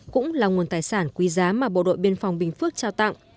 cũng là nguồn tài sản quý giá mà bộ đội biên phòng bình phước trao tặng